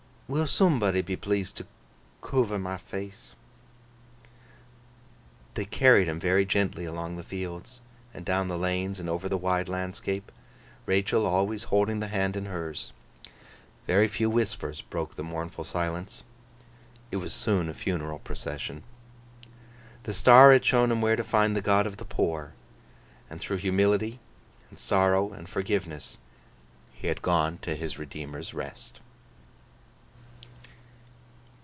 Will soombody be pleased to coover my face!' They carried him very gently along the fields, and down the lanes, and over the wide landscape; Rachael always holding the hand in hers. Very few whispers broke the mournful silence. It was soon a funeral procession. The star had shown him where to find the God of the poor; and through humility, and sorrow, and forgiveness, he had gone to his Redeemer's rest.